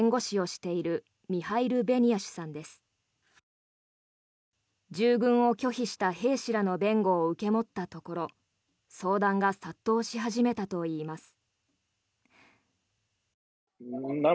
従軍を拒否した兵士らの弁護を受け持ったところ相談が殺到し始めたといいます。